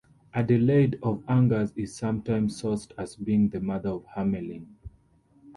Adelaide of Angers is sometimes sourced as being the mother of Hamelin.